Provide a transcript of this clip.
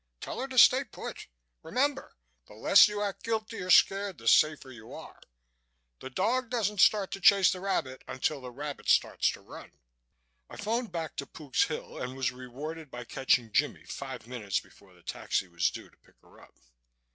Tell her to stay put. Remember, the less you act guilty or scared the safer you are. The dog doesn't start to chase the rabbit until the rabbit starts to run." I phoned back to Pook's Hill and was rewarded by catching Jimmie five minutes before the taxi was due to pick her up.